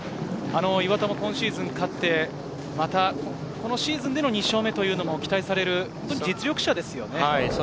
岩田も今シーズン勝って、また、シーズンでの２勝目というのも期待される実力者ですよね。